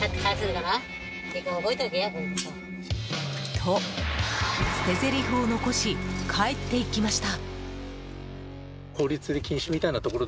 と、捨てぜりふを残し帰っていきました。